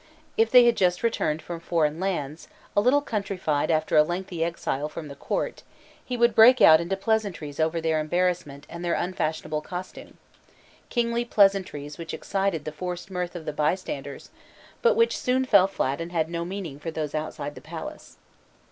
If they had just returned from foreign lands, a little countrified after a lengthy exile from the court, he would break out into pleasantries over their embarrassment and their unfashionable costume, kingly pleasantries which excited the forced mirth of the bystanders, but which soon fell flat and had no meaning for those outside the palace.